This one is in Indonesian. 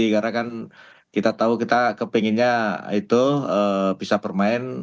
karena kan kita tahu kita kepinginnya itu bisa bermain